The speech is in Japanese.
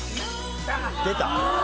出た！